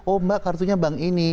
oh mbak kartunya bank ini